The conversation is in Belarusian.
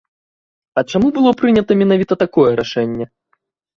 А чаму было прынята менавіта такое рашэнне?